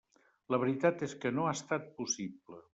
La veritat és que no ha estat possible.